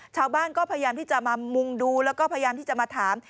ชาวบ้านก็พยายามที่จะมามุงดูแล้วก็พยายามที่จะมาถาม